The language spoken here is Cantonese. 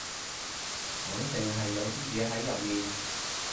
肯定係有啲嘢喺入面